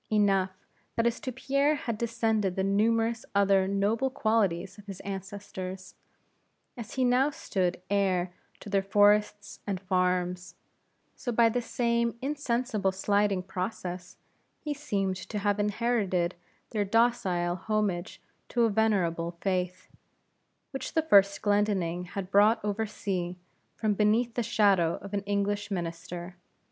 Enough, that as to Pierre had descended the numerous other noble qualities of his ancestors; and as he now stood heir to their forests and farms; so by the same insensible sliding process, he seemed to have inherited their docile homage to a venerable Faith, which the first Glendinning had brought over sea, from beneath the shadow of an English minister.